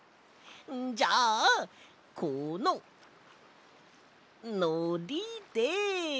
じゃあこののりで。